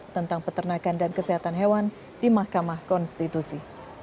tentang peternakan dan kesehatan hewan di mahkamah konstitusi